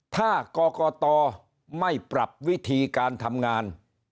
ถ้ากรกตไม่ปรับวิธีการทำงาน